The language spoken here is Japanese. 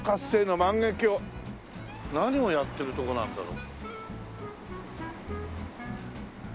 何をやってるとこなんだろう？